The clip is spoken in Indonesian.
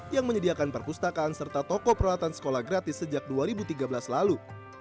yang menyediakan perpustakaan serta toko peralatan sekolah gratis sejak dua ribu tiga belas lalu